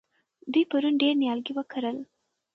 دوی پرون ډېر نیالګي وکرل.